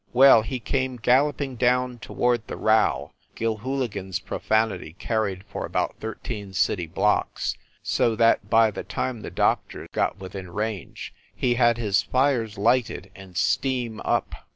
Well, he came galloping down toward the row. Gilhooligan s profanity carried for about thirteen city blocks, so that by the time the doctor got with in range, he had his fires lighted and steam up.